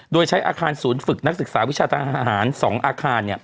โดยใช้อาคารศูนย์ฝึกนักศึกษาวิชาทหาร๒อาคาร